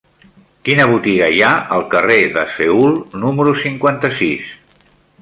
Quina botiga hi ha al carrer de Seül número cinquanta-sis?